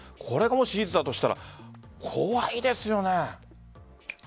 これが事実だとしたら怖いですよね。